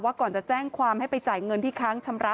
ก่อนจะแจ้งความให้ไปจ่ายเงินที่ค้างชำระ